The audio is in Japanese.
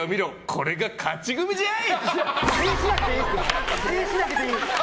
これが勝ち組じゃーい！